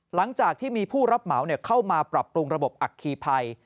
หลังจากที่มีผู้รับเหมาเข้ามาปรับปรุงระบบอัคคีภัย